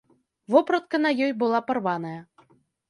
Вопратка на ёй была парваная.